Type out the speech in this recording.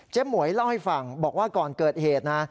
หมวยเล่าให้ฟังบอกว่าก่อนเกิดเหตุนะ